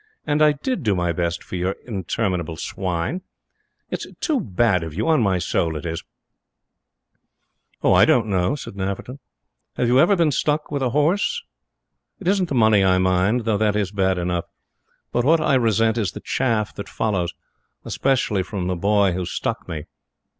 And I DID do my best for your interminable swine. It's too bad of you, on my soul it is!" "I don't know," said Nafferton; "have you ever been stuck with a horse? It isn't the money I mind, though that is bad enough; but what I resent is the chaff that follows, especially from the boy who stuck me.